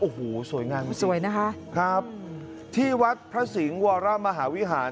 โอ้โหสวยงามมากสวยนะคะครับที่วัดพระสิงห์วรมหาวิหาร